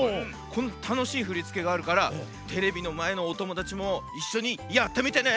このたのしいふりつけがあるからテレビのまえのおともだちもいっしょにやってみてね！